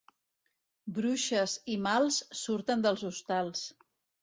Bruixes i mals surten dels hostals.